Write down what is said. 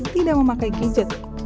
tidak memakai gadget